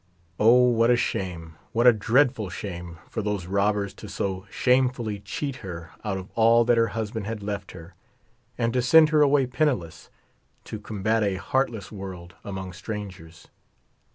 O, what a shame — what a dreadful shame — for those robbers to so shamefully cheat her out of all that d her husband had left her, and to send her away penniless, to combat a heartless world, among strangers.